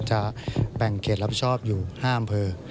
จะแบ่งเขตรับชอบอยู่๕อำเภอ